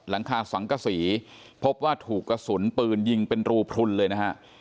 หลังคาสังกษีพบว่าถูกกระสุนปืนยิงเป็นรูพลุนเลยนะฮะ